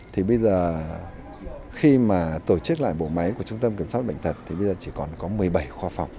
thì bây giờ khi mà tổ chức lại bộ máy của trung tâm kiểm soát bệnh tật thì bây giờ chỉ còn có một mươi bảy khoa phòng